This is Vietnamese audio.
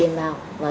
hoàn cả là